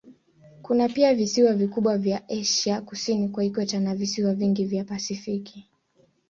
Kuna pia visiwa vikubwa vya Asia kusini kwa ikweta na visiwa vingi vya Pasifiki.